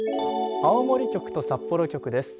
青森局と札幌局です。